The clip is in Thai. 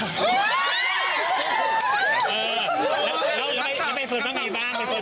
น้องได้ไปเฟิร์นว่าไงบ้าง